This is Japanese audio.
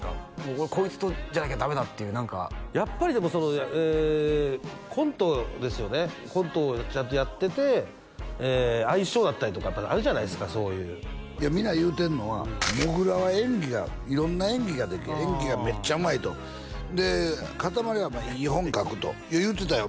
俺こいつとじゃなきゃダメだっていう何かやっぱりでもえコントですよねコントをちゃんとやってて相性だったりとかやっぱあるじゃないですかそういういや皆言うてんのはもぐらは演技が色んな演技ができる演技がめっちゃうまいとでかたまりはいい本書くと言うてたよ